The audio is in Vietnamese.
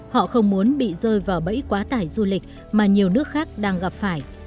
họ không muốn bị rơi vào bẫy quá tải du lịch mà nhiều nước khác đang gặp phải